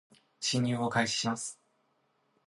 進入を開始します